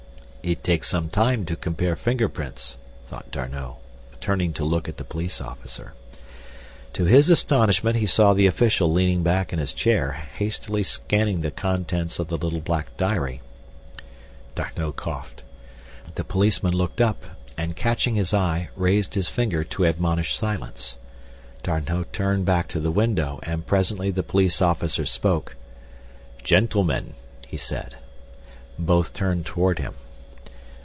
"It takes some time to compare finger prints," thought D'Arnot, turning to look at the police officer. To his astonishment he saw the official leaning back in his chair hastily scanning the contents of the little black diary. D'Arnot coughed. The policeman looked up, and, catching his eye, raised his finger to admonish silence. D'Arnot turned back to the window, and presently the police officer spoke. "Gentlemen," he said. Both turned toward him.